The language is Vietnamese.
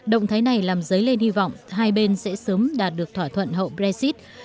động thái này làm dấy lên hy vọng hai bên sẽ sớm đạt được thỏa thuận hậu brexit